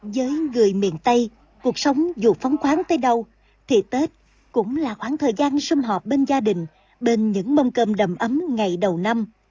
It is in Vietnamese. với người miền tây cuộc sống dù phóng khoáng tới đâu thì tết cũng là khoảng thời gian xung họp bên gia đình bên những mâm cơm đầm ấm ngày đầu năm